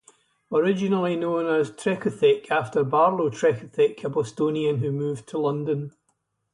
Originally known as Trecothick, after Barlow Trecothick, a Bostonian who moved to London.